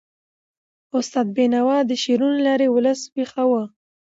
استاد بینوا د شعرونو له لارې ولس ویښاوه.